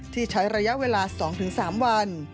ใช้ระยะเวลา๒๓วัน